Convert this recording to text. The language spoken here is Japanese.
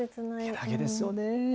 けなげですよね。